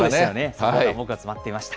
サポーターの熱が集まっていました。